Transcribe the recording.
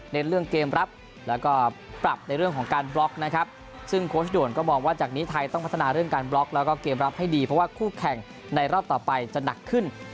เรื่องเกมรับแล้วก็ปรับในเรื่องของการบล็อกนะครับซึ่งโค้ชด่วนก็มองว่าจากนี้ไทยต้องพัฒนาเรื่องการบล็อกแล้วก็เกมรับให้ดีเพราะว่าคู่แข่งในรอบต่อไปจะหนักขึ้น